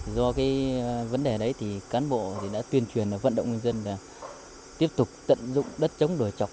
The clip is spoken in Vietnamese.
do vấn đề đấy cán bộ đã tuyên truyền vận động dân tiếp tục tận dụng đất trống đồi chọc